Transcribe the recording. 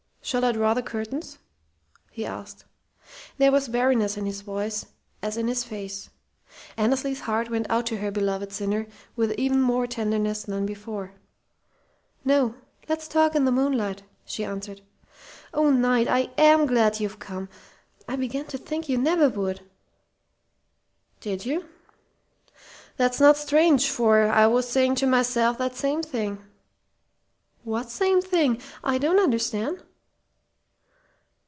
"Shall I draw the curtains?" he asked. There was weariness in his voice, as in his face. Annesley's heart went out to her beloved sinner with even more tenderness than before. "No, let's talk in the moonlight," she answered. "Oh, Knight, I am glad you've come! I began to think you never would!" "Did you? That's not strange, for I was saying to myself that same thing." "What same thing? I don't understand."